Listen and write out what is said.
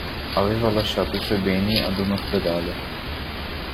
Aveva lasciato i suoi beni ad un ospedale.